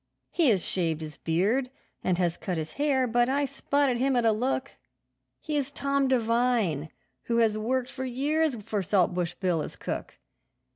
He has shaved his beard, and has cut his hair, but I spotted him at a look; He is Tom Devine, who has worked for years for Saltbush Bill as cook.